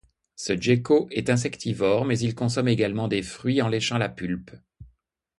Ce gecko est insectivore mais il consomme également des fruits, en léchant la pulpe.